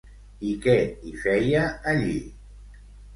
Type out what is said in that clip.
I què hi feia allí?